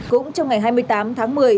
cũng trong ngày hai mươi tám tháng một mươi